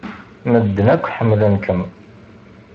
Medden akk ḥemmlen-kem.